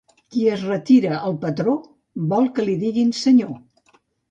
Qui es retira al patró, vol que li diguin senyor.